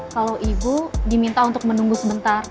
kalau ibu diminta untuk menunggu sebentar